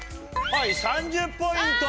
３０ポイント。